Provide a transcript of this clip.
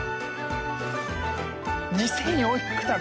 ２４００玉！？